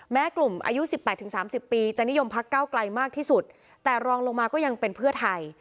แม้กลุ่มอายุ๑๘๓๐ปีจะนิยมพักเก้าไกลมากที่สุดแต่รองลงมาก็ยังเป็นเพื่อไทย